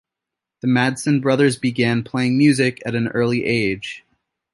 The Madsen brothers began playing music at an early age.